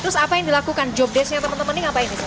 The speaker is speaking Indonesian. terus apa yang dilakukan job desknya teman teman ini ngapain